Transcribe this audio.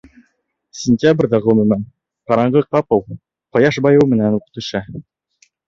Сентябрҙә, ғөмүмән, ҡараңғы ҡапыл, ҡояш байыу менән үк, төшә.